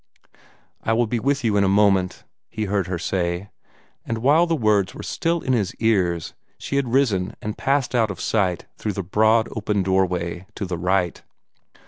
"I will be with you in a moment," he heard her say; and while the words were still in his ears she had risen and passed out of sight through the broad, open doorway to the right.